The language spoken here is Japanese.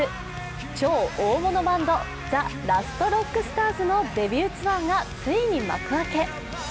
超大物バンドＴＨＥＬＡＳＴＲＯＣＫＳＴＡＲＳのデビューツアーがついに幕開け。